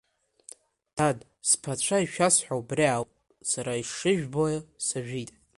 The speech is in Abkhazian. Дад, сԥацәа, ишәасҳәо убри ауп, сара ишыжәбо сажәит.